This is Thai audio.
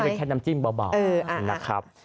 เป็นแค่น้ำจิ้มเบานะครับ